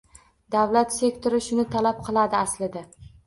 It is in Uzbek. Davlat sektori shuni talab qiladi aslida.